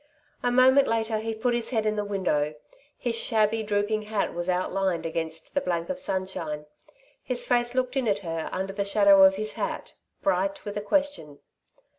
A moment later he put his head in the window. His shabby, drooping hat was outlined against the blank of sunshine. His face looked in at her, under the shadow of his hat, bright with a question.